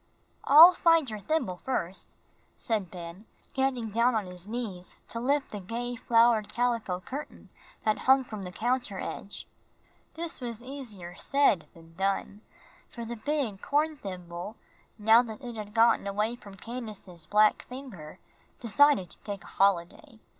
"I'll find your thimble first," said Ben, getting down on his knees to lift the gay flowered calico curtain that hung from the counter edge. This was easier said than done, for the big horn thimble, now that it had gotten away from Candace's black finger, decided to take a holiday.